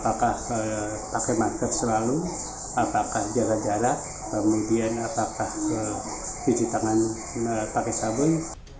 apakah pakai masker selalu apakah jaga jarak kemudian apakah cuci tangan pakai sabun